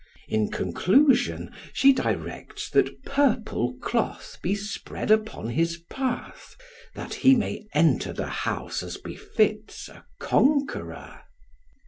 In conclusion she directs that purple cloth be spread upon his path that he may enter the house as befits a conqueror.